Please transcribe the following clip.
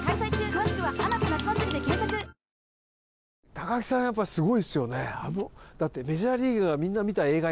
貴明さんやっぱすごいですよね。